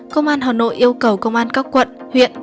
công an hà nội yêu cầu công an các quận huyện